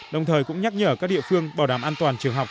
đồng thời cũng nhắc nhở các địa phương bảo đảm an toàn trường học